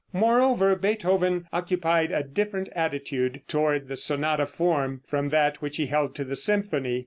Moreover, Beethoven occupied a different attitude toward the sonata form from that which he held to the symphony.